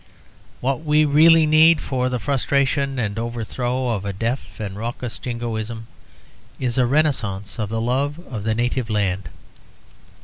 What we really need for the frustration and overthrow of a deaf and raucous Jingoism is a renascence of the love of the native land.